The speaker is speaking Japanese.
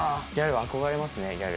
憧れますねギャル。